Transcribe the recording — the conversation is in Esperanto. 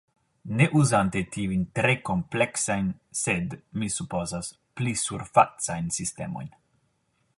ne uzante tiujn tre kompleksajn, sed, mi supozas, pli surfacajn sistemojn.